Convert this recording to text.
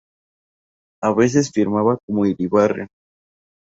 A veces firmaba como Iribarren.